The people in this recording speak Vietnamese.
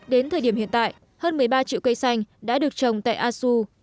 đến thời điểm hiện tại hơn một mươi ba triệu cây xanh đã được trồng tại asu